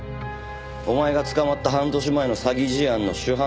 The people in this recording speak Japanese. お前が捕まった半年前の詐欺事案の主犯だよ。